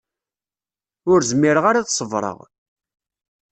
Ur zmireɣ ara ad ṣebṛeɣ.